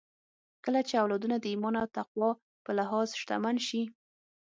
کله چې اولادونه د ايمان او تقوی په لحاظ شتمن سي